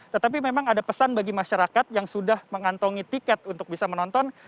tetapi memang ada pesan bagi masyarakat yang sudah mengantongi tiket untuk bisa menonton